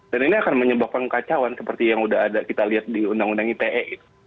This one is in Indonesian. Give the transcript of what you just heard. dan ini akan menyebabkan kacauan seperti yang udah ada kita lihat di undang undang ite